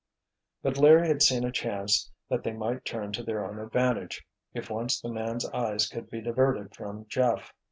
But Larry had seen a chance that they might turn to their own advantage if once the man's eyes could be diverted from Jeff.